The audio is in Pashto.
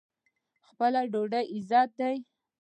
خپله ډوډۍ عزت دی.